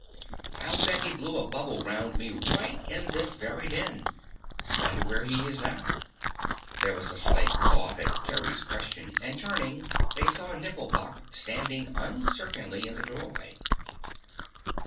"I'll bet he blew a bubble round me right in this very den. Wonder where he is now?" There was a slight cough at Kerry's question and turning, they saw Nifflepok standing uncertainly in the doorway.